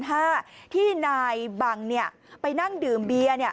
ห้องร้างชั้น๕ที่นายบังไปนั่งดื่มเบียร์